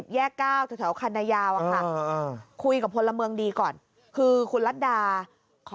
แยก๙แถวคันนายาวอะค่ะคุยกับพลเมืองดีก่อนคือคุณรัฐดาขอ